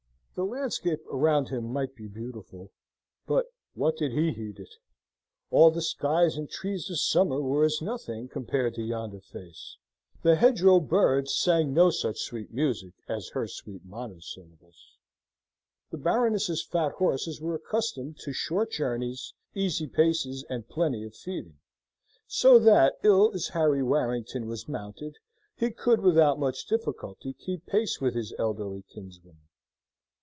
The landscape around him might be beautiful, but what did he heed it? All the skies and trees of summer were as nothing compared to yonder face; the hedgerow birds sang no such sweet music as her sweet monosyllables. The Baroness's fat horses were accustomed to short journeys, easy paces, and plenty of feeding; so that, ill as Harry Warrington was mounted, he could, without much difficulty, keep pace with his elderly kinswoman.